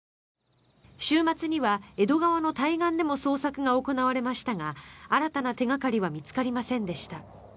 週末には江戸川の対岸でも捜索が行われましたが新たな手掛かりは見つかりませんでした。